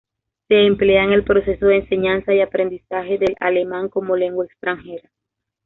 Se emplea en el proceso de enseñanza y aprendizaje del alemán como lengua extranjera.